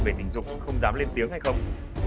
về tình dục không dám lên tiếng hay không